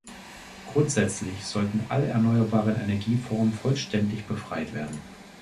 Grundsätzlich sollten alle erneuerbaren Energieformen vollständig befreit werden.